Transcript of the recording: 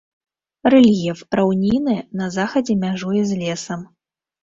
Рэльеф раўніны, на захадзе мяжуе з лесам.